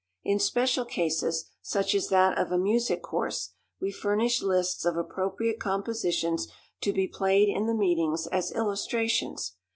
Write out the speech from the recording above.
In special cases, such as that of a music course, we furnish lists of appropriate compositions to be played in the meetings as illustrations.